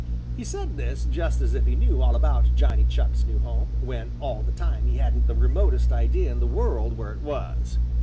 He said this just as if he knew all about Johnny Chuck's new home, when all the time he hadn't the remotest idea in the world where it was.